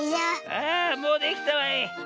あもうできたわい。